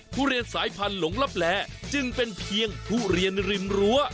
ทุเรียนสายพันธุ์หลงลับแหลจึงเป็นเพียงทุเรียนริมรั้ว